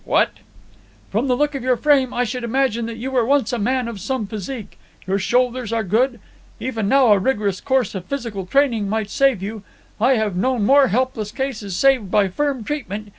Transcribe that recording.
"What!" "From the look of your frame I should imagine that you were once a man of some physique. Your shoulders are good. Even now a rigorous course of physical training might save you. I have known more helpless cases saved by firm treatment.